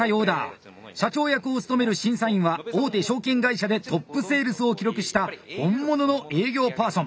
社長役を務める審査員は大手証券会社でトップセールスを記録した本物の営業パーソン。